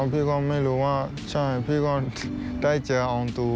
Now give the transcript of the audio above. พี่ก็ไม่รู้ถ้าได้จัดอองทู